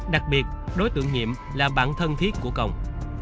đặc biệt đối tượng nhiệm là bạn thân thiết của công